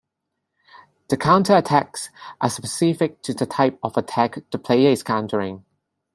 The counter-attacks are specific to the type of attack the player is countering.